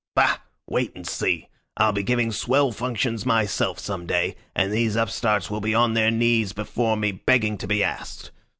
Bah! Wait and see! I'll be giving swell functions myself some day, and these upstarts will be on their knees before me begging to be asked.